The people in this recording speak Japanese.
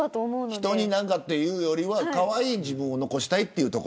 人に何かっていうよりはかわいい自分を残したい。